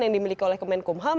yang dimiliki oleh kemen kum ham